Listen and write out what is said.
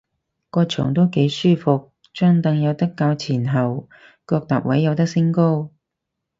個場都幾舒服，張櫈有得較前後，腳踏位有得升高